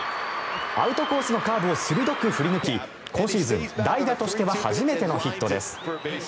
アウトコースのカーブを鋭く振り抜き今シーズン、代打としては初めてのヒットです。